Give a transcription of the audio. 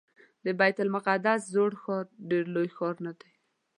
د بیت المقدس زوړ ښار ډېر لوی ښار نه دی.